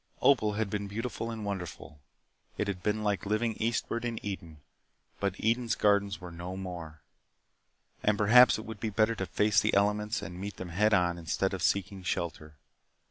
Opal had been beautiful and wonderful. It had been like living eastward in Eden, but Eden's gardens were no more. And perhaps it would be better to face the elements and meet them head on instead of seeking shelter.